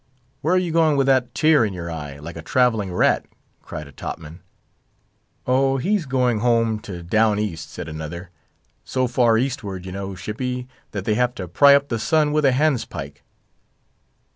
"Where are you going with that tear in your eye, like a travelling rat?" cried a top man. "Oh! he's going home to Down East," said another; "so far eastward, you know, shippy, that they have to pry up the sun with a handspike."